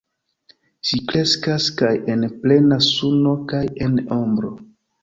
Ĝi kreskas kaj en plena suno kaj en ombro.